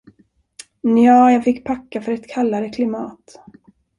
Nja, jag fick packa för ett kallare klimat.